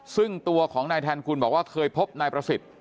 ซึ่งตัวของนายแทนคุณบอกว่าเคยพบนายประสิทธิ์